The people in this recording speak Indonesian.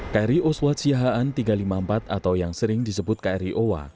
kri oswad siahaan tiga ratus lima puluh empat atau yang sering disebut kri owa